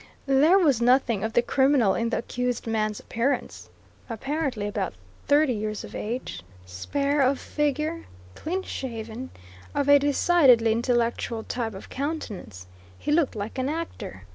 There was nothing of the criminal in the accused man's appearance. Apparently about thirty years of age, spare of figure, clean shaven, of a decidedly intellectual type of countenance, he looked like an actor.